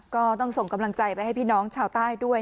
ก็ต้องส่งกำลังใจไปให้พี่น้องชาวใต้ด้วย